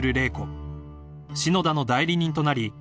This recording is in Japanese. ［篠田の代理人となり